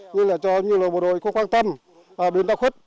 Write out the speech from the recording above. như là cho người đội có quan tâm biên tắc khuất